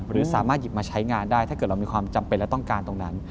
หรือสามารถหยิบมาใช้งานได้ถ้าเกิดเรามีความจำเป็นและต้องการตรงนั้น